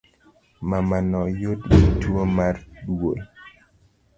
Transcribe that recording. Mamano oyudgi tuo mar duol